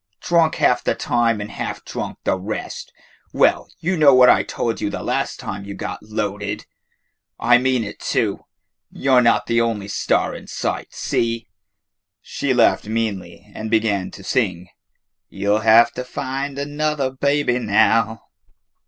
Drunk half the time and half drunk the rest. Well, you know what I told you the last time you got 'loaded'? I mean it too. You 're not the only star in sight, see?" She laughed meanly and began to sing, "You 'll have to find another baby now."